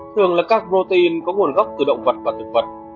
thường là các protein có nguồn gốc từ động vật và thực vật